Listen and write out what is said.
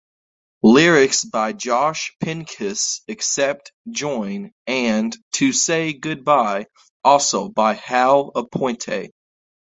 Lyrics by Josh Pincus except "Join" and "To Say Goodbye" also by Hal Aponte.